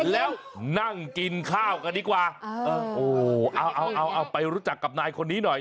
แล้วนั่งกินข้าวกันดีกว่าเออเอาเอาไปรู้จักกับนายคนนี้หน่อย